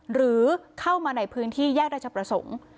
หรือเข้ามาในพื้นที่แยกราชประสงค์